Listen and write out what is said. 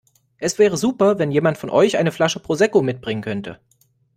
Es wäre super wenn jemand von euch eine Flasche Prosecco mitbringen könnte.